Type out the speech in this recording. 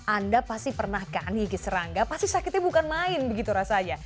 anda pasti pernah kan gigi serangga pasti sakitnya bukan main begitu rasanya